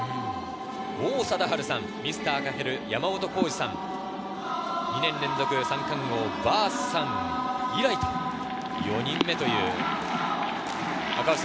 王貞治さん、ミスター赤ヘル山本浩二さん、２年連続三冠王バースさん以来、４人目となります。